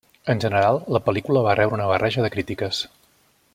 En general, la pel·lícula va rebre una barreja de crítiques.